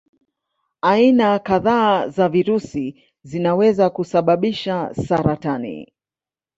Aina kadhaa za virusi zinaweza kusababisha saratani.